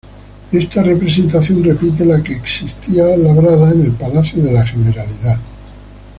Esta representación repite la que existía labrada en el Palacio de la Generalidad.